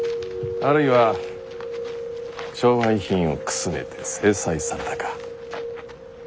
あるいは商売品をくすねて制裁されたか。